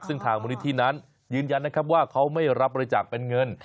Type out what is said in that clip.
ซึ่งทางมูลนิธินั้นยืนยันนะครับว่าเขาไม่รับบริจาคเป็นเงิน